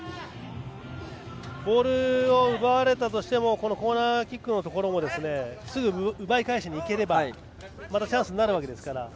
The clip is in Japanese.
ボールを奪われたとしてもコーナーキックのところもすぐ奪い返しにいければまたチャンスになるわけですから。